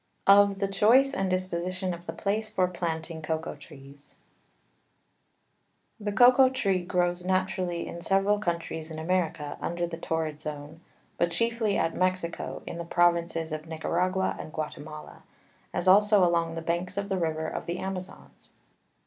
Of the Choice and Disposition of the Place for Planting Cocao Trees. The Cocao Tree grows naturally in several Countries in America under the Torrid Zone, but chiefly at Mexico, in the Provinces of Nicaragua and Guatimala, as also along the Banks of the River of the _Amazons_[n].